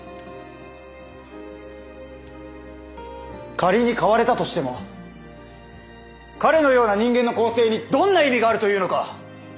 仮に変われたとしても彼のような人間の更生にどんな意味があるというのか！